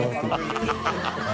ハハハ